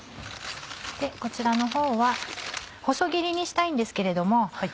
こちらのほうは細切りにしたいんですけれども。